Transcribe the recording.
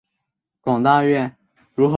广大院。